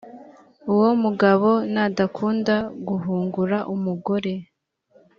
uwo mugabo nadakunda guhungura umugore